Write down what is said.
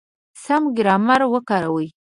سم ګرامر وکاروئ!.